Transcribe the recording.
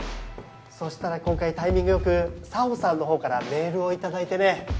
そしたら今回タイミング良く沙帆さんの方からメールを頂いてね。